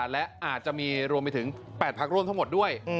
และอาจจะมีรวมไปถึง๘พักร่วมทั้งหมดด้วย